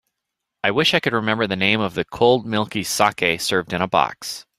I wish I could remember the name of the cold milky saké served in a box.